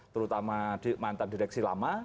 terutama mantan direksi lama